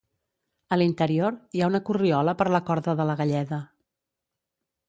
A l'interior hi ha una corriola per la corda de la galleda.